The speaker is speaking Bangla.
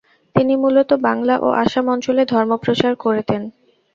তিনি মূলত বাংলা ও আসাম অঞ্চলে ধর্মপ্রচার করেতেন।